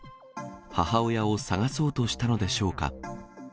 母親を捜そうとしたのでしょうか。